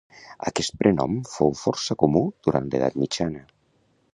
Aquest prenom fou força comú durant l'edat mitjana.